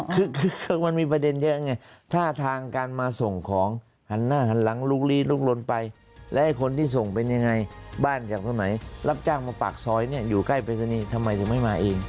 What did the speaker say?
คือมันมีประเด็นเยอะไงท่าทางการมาส่งของหันหน้าหันหลังลุกลี้ลุกลนไปแล้วไอ้คนที่ส่งเป็นยังไงบ้านจากตรงไหนรับจ้างมาปากซอยเนี่ยอยู่ใกล้ปริศนีย์ทำไมถึงไม่มาเอง